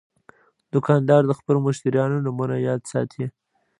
دوکاندار د خپلو مشتریانو نومونه یاد ساتي.